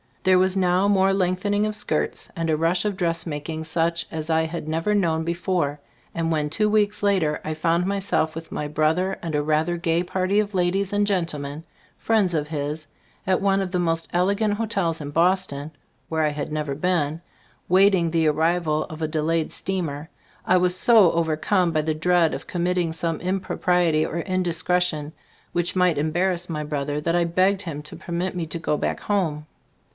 There was now more lengthening of skirts, and a rush of dressmaking such as I had never known before; and when, two weeks later, I found my self with my brother and a rather gay party of ladies and gentlemen, friends of his, at one of the most elegant ho tels in Boston (where I had never been) waiting the arrival of a de ttbe Storg of As Cbf t&boob i n layed steamer, I was so overcome by the dread of committing some impro priety or indiscretion which might embarrass my brother that I begged him to permit me to go back home.